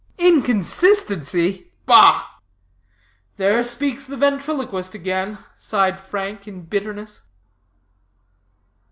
"Inconsistency? Bah!" "There speaks the ventriloquist again," sighed Frank, in bitterness.